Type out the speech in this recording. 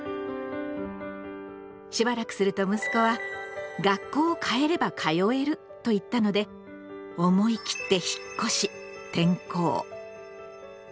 しばらくすると息子は「学校をかえれば通える」と言ったので思い切って引っ越し転校。